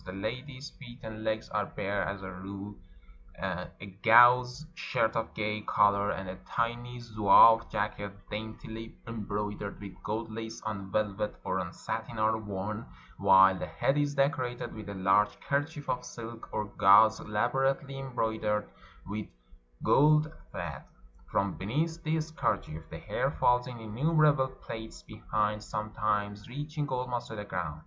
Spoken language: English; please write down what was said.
The ladies' feet and legs are bare, as a rule; a gauze shirt of gay color and a tiny zouave jacket daintily embroidered with gold lace on velvet or on satin are worn, while the head is decorated with a large kerchief of silk or gauze, elaborately embroidered with gold thread. From beneath this kerchief the hair falls in innumerable plaits behind, sometimes reaching almost to the ground.